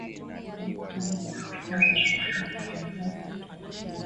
Katika mkutano wa hadhara akitangaza hatua hiyo